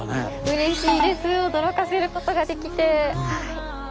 うれしいです驚かせることができて。